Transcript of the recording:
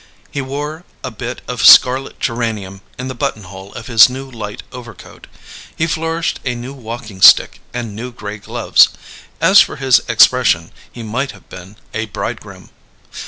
He wore a bit of scarlet geranium in the buttonhole of his new light overcoat; he flourished a new walking stick and new grey gloves. As for his expression, he might have been a bridegroom.